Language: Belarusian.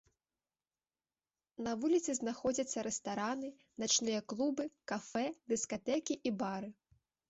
На вуліцы знаходзяцца рэстараны, начныя клубы, кафэ, дыскатэкі і бары.